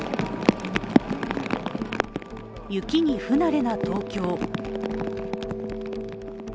雪に不慣れな東京。